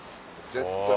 絶対。